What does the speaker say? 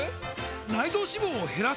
内臓脂肪を減らす！？